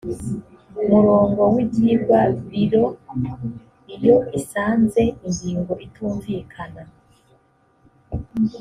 murongo w ibyigwa biro iyo isanze ingingo itumvikana